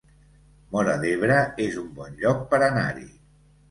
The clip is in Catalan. Móra d'Ebre es un bon lloc per anar-hi